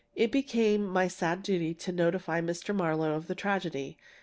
"It became my sad duty to notify Mr. Marlowe of the tragedy.